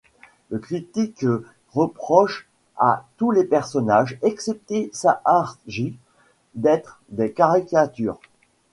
Le critique reproche à tous les personnages, exceptée Saartjie, d'être des caricatures.